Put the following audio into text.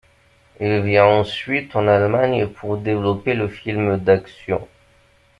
Il vient ensuite en Allemagne pour développer le film d'action.